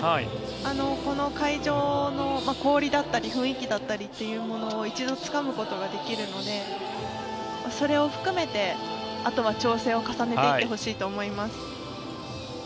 この会場の氷だったり雰囲気だったりというものを一度つかむことができるのでそれを含めてあとは調整を重ねていってほしいと思います。